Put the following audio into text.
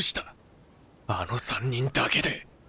あの３人だけで。